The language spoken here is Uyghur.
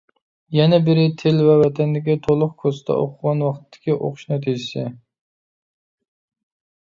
يەنە بىرى، تىل ۋە ۋەتەندىكى تولۇق كۇرستا ئوقۇغان ۋاقتىدىكى ئوقۇش نەتىجىسى.